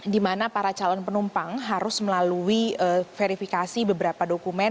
di mana para calon penumpang harus melalui verifikasi beberapa dokumen